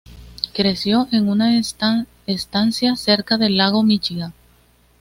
Creció en una estancia cerca del Lago Míchigan.